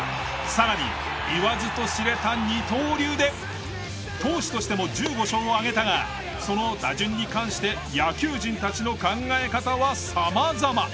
さらに言わずと知れた二刀流で投手としても１５勝を挙げたがその打順に関して野球人たちの考え方は様々。